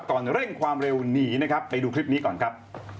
ก่อนเร่งความเร็วหนีนะครับ